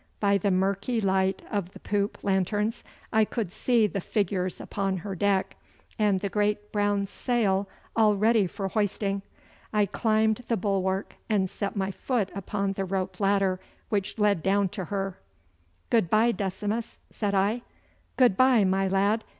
By the murky light of the poop lanterns I could see the figures upon her deck, and the great brown sail all ready for hoisting. I climbed the bulwark and set my foot upon the rope ladder which led down to her. 'Good bye, Decimus!' said I. 'Good bye, my lad!